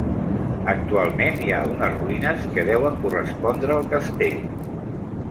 Actualment hi ha unes ruïnes que deuen correspondre al castell.